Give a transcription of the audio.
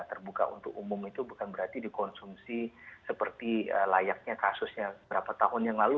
terbuka untuk umum itu bukan berarti dikonsumsi seperti layaknya kasusnya berapa tahun yang lalu